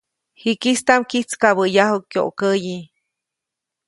Jikistaʼm kyijtskabäʼyaju kyokäyi.